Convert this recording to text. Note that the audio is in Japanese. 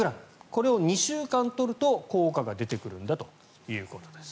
これを２週間取ると効果が出てくるんだということです。